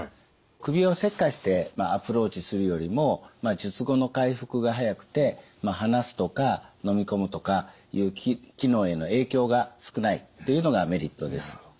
首を切開してアプローチするよりも術後の回復が早くて話すとか飲み込むとかいう機能への影響が少ないというのがメリットです。